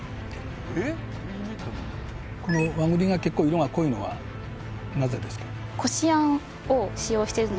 和栗が結構色が濃いのはなぜですか？